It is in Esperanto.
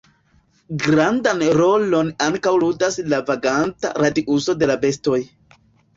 Grandan rolon ankaŭ ludas la vaganta radiuso de la bestoj.